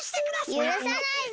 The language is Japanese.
ゆるさないぞ！